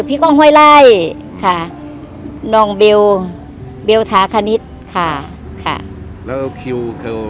พี่ก้องห้อยไล่ค่ะน้องเบลเบลทาคณิตค่ะค่ะแล้วเอาคิว